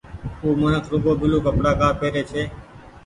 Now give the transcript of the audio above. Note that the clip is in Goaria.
او منک رڳو بيلو ڪپڙآ ڪآ پيري ڇي۔